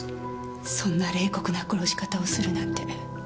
そんな冷酷な殺し方をするなんて。